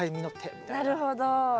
なるほど。